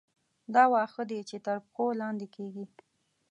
دا واښه دي چې تر پښو لاندې کېږي.